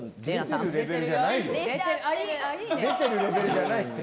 出てるレベルじゃないよ。